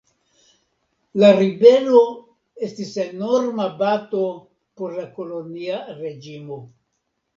La ribelo estis enorma bato por la kolonia reĝimo.